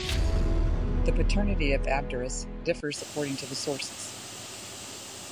The paternity of Abderus differs according to the sources.